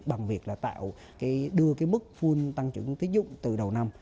bằng việc đưa mức full tăng trưởng tính dụng từ đầu năm